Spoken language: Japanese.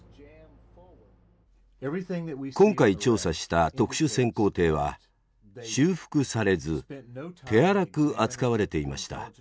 今回調査した特殊潜航艇は修復されず手荒く扱われていました。